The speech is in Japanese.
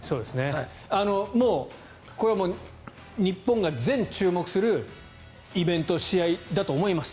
もうこれは日本が全注目するイベント試合だと思います。